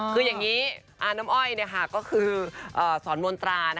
คืออย่างนี้อาน้ำอ้อยก็คือสอนมนตรา